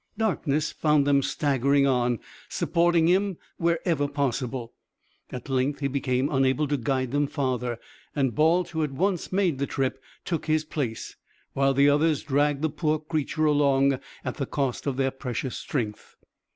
Darkness found them staggering on, supporting him wherever possible. At length he became unable to guide them farther, and Balt, who had once made the trip, took his place, while the others dragged the poor creature along at the cost of their precious strength.